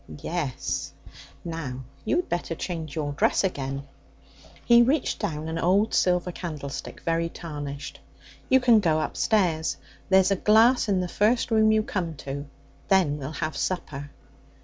'Yes. Now you'd better change your dress again.' He reached down an old silver candlestick, very tarnished. 'You can go upstairs. There's a glass in the first room you come to. Then we'll have supper.'